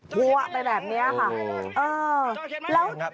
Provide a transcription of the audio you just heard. หรือเปล่า